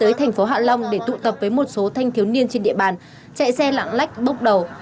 tới thành phố hạ long để tụ tập với một số thanh thiếu niên trên địa bàn chạy xe lạng lách bốc đầu